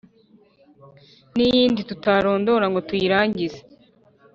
n’iyindi tutarondora ngo tuyirangize.